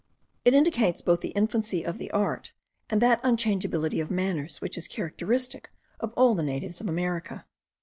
It indicates both the infancy of the art, and that unchangeability of manners which is characteristic of all the natives of America.